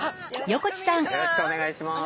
よろしくお願いします。